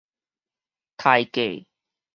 刣價